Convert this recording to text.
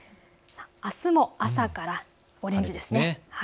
あすも朝からオレンジですね。